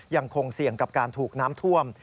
ยังคงเสี่ยงกับการถูกน้ำท่วม